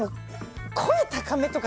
声が高めとか。